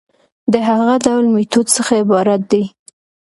د هغه ډول ميتود څخه عبارت دي